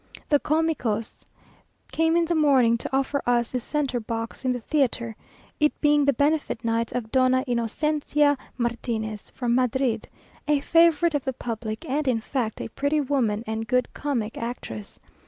The Comicos came in the morning to offer us the centre box in the theatre, it being the benefit night of Donna Inocencia Martinez from Madrid, a favourite of the public, and, in fact, a pretty woman and good comic actress.